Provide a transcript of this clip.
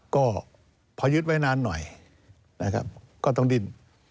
ก็พอยึดไว้นานหน่อยก็ต้องดิน